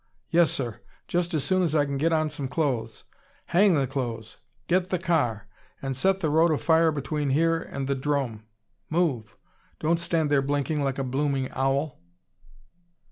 "Yes, sir. Just as soon as I can get on some clothes." "Hang the clothes! Get the car and set the road afire between here and the 'drome. Move! Don't stand there blinking like a blooming owl."